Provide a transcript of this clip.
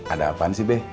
ada apaan sih beh